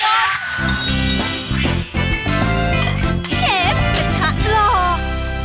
เชฟชะหรอก